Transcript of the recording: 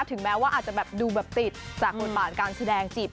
ถึงแม้ว่าอาจจะดูแบบติดจากกลบหลังการแสดง